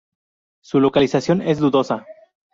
Su localización es dudosa.